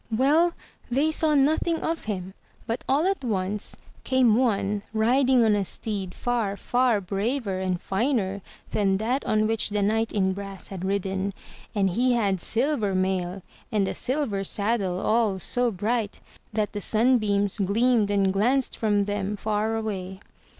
Well, they saw nothing of him but all at once came one riding on a steed far, far braver and finer than that on which the knight in brass had ridden, and he had silver mail, and a silver saddle all so bright that the sunbeams gleamed and glanced from them far away.